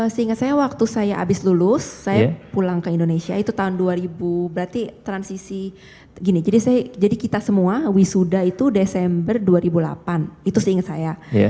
seingat saya waktu saya habis lulus saya pulang ke indonesia itu tahun dua ribu berarti transisi gini jadi kita semua wisuda itu desember dua ribu delapan itu seingat saya